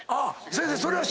先生それは。